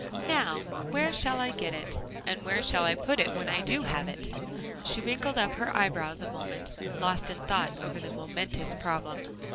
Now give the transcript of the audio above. "Now where shall I get it, and where shall I put it when I do have it?" She wrinkled up her eyebrows a moment, lost in thought over the momentous problem.